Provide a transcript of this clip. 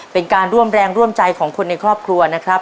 เป็นการร่วมแรงร่วมใจของคนในครอบครัวนะครับ